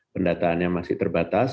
pendataannya masih terbatas